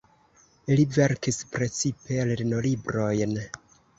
Li verkis precipe lernolibrojn.